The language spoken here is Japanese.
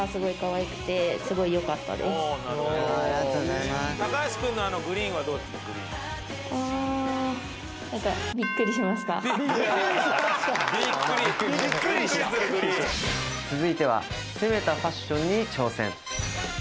続いては攻めたファッションに挑戦。